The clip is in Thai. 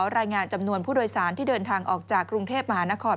รายงานจำนวนผู้โดยสารที่เดินทางออกจากกรุงเทพมหานคร